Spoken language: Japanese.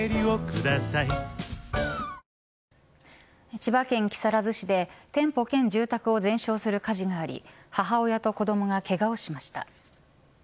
千葉県木更津市で店舗兼住宅を全焼する火事があり母親と子どもがけがをしました。